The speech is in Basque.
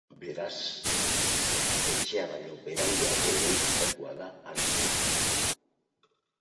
Beraz, etxea baino beranduago eraikitakoa da arkua.